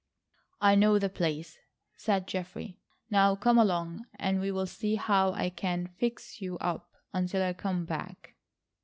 "I know the place," said Geoffrey, "now come along, and we'll see how I can fix you up until I come back."